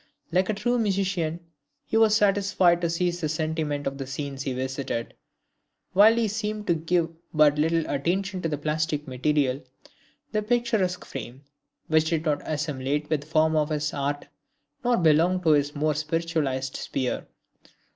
Like a true musician, he was satisfied to seize the sentiment of the scenes he visited, while he seemed to give but little attention to the plastic material, the picturesque frame, which did not assimilate with the form of his art, nor belong to his more spiritualized sphere.